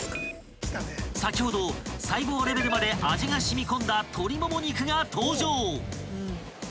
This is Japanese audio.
［先ほど細胞レベルまで味が染み込んだ鶏もも肉が登場］